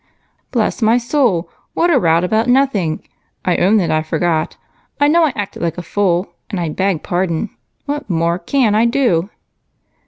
"Bless my soul! What a rout about nothing! I own that I forgot I know I acted like a fool and I beg pardon. What more can I do?"